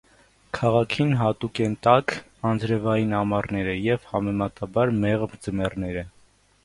Քաղաքին հատուկ են տաք, անձրևային ամառները և համեմատաբար մեղմ ձմեռները։